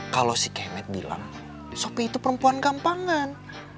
kalau si kayak met bilang sopi itu perempuan gampangan